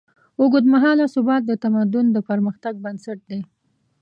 اوږدمهاله ثبات د تمدن د پرمختګ بنسټ دی.